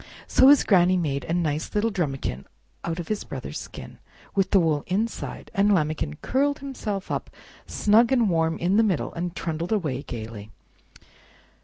So his Granny made a nice little drumikin out of his brother's skin, with the wool inside, and Lambikin curled himself up snug and warm in the middle, and trundled away gayly.